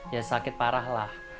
ya sakit parahlah